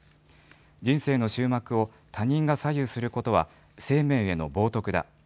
人生の終幕を他人が左右することは生命への冒とくだ。